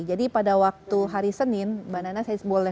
pada waktu hari senin mbak nana saya boleh